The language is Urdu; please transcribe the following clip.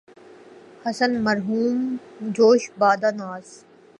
حسن مرہون جوش بادۂ ناز